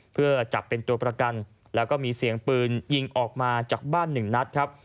เพื่อจับเป็นตัวประกันแล้วก็มีเสียงปืนยิงออกมาจากบ้านหนึ่งนัดครับ